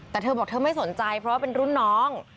แต่เธอบอกเธอไม่สนใจเพราะว่าเป็นรุ่นน้อง